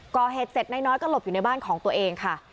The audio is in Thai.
ก่อเหตุเสร็จนายน้อยก็หลบอยู่ในบ้านของตัวเองค่ะ